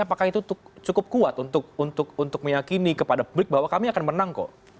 apakah itu cukup kuat untuk meyakini kepada publik bahwa kami akan menang kok